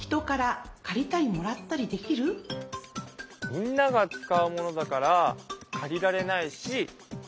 みんなが使うものだから借りられないしもらえない。